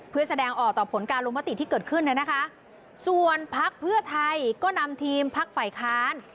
เพื่อแสดงออกต่อผลการลงมติที่เกิดขึ้นนะคะส่วนพักเพื่อไทยก็นำทีมพักฝ่ายค้าน